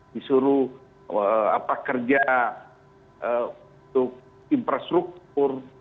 disuruh kerja untuk infrastruktur